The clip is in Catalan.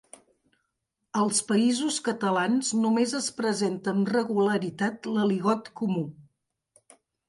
Als Països Catalans només es presenta amb regularitat l'aligot comú.